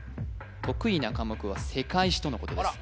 得意な科目は世界史とのことです